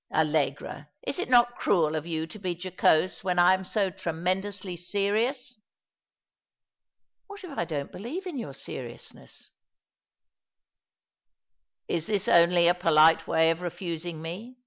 " Allegra, is it not cruel of you to be jocose when I am so tremendously serious ?"" What if I don't believe in your seriousness? " "Is this only a polite way of refusing me?"